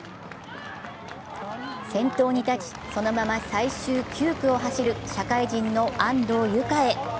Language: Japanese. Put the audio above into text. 先頭に立ち、そのまま最終９区を走る社会人の安藤友香へ。